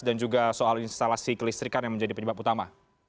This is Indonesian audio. dan juga soal instalasi kelistrikan yang menjadi penyebab utama